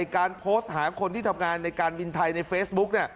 การโพสต์หาคนที่ทำงานในการบินไทยในเฟซบุ๊ก